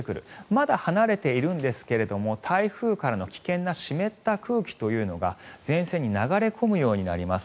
まだ離れているんですが台風からの危険な湿った空気というのが前線に流れ込むようになります。